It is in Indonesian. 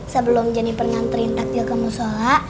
sebelum jenibor nganterin takjil kemusola